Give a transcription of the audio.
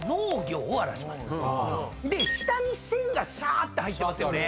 下に線がしゃーって入ってますよね。